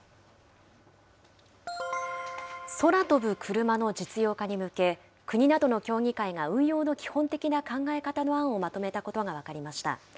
空飛ぶクルマの実用化に向け、国などの協議会が運用の基本的な考え方の案をまとめたことが分かりました。